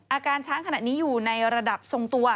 อาการช้างขณะนี้อยู่ในระดับทรงตัว